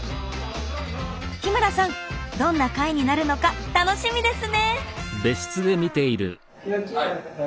日村さんどんな会になるのか楽しみですね。